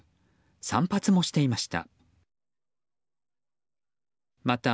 散髪もしていました。